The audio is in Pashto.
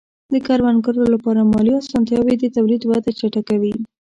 د کروندګرو لپاره مالي آسانتیاوې د تولید وده چټکوي.